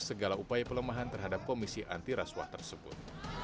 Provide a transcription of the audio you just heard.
segala upaya pelemahan terhadap komisi anti rasuah tersebut